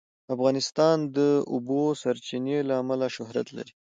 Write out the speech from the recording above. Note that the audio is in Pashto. افغانستان د د اوبو سرچینې له امله شهرت لري.